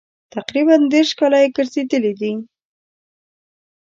تقریبا دېرش کاله یې ګرځېدلي دي.